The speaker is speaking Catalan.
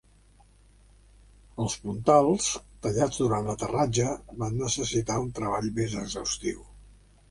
Els puntals, tallats durant l'aterratge, van necessitar un treball més exhaustiu.